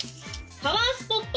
パワースポット